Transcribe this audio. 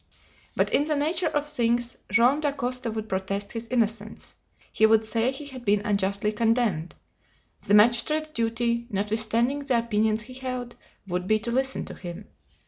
But in the nature of things Joam Dacosta would protest his innocence; he would say he had been unjustly condemned. The magistrate's duty, notwithstanding the opinions he held, would be to listen to him.